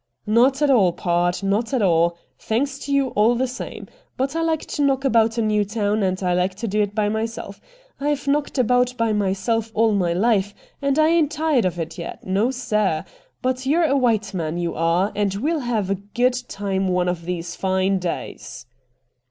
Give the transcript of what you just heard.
' Not at all, pard ; not at all — thanks to you all the same. But I like to knock about a new town, and I like to do it by myself. I've knocked about by myself all my hfe, and I ain't tired of it yet. Xo, sir ! But you're a white man, you are, and we'll hev a good time one of these fine days.'